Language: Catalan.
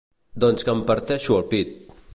Doncs que em parteixo el pit!